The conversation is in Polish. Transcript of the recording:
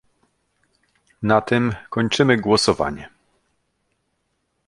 Na tym kończymy głosowanie